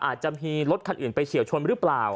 อาจจะมีรถคันอื่นไปเฉียวชนหรือเปล่า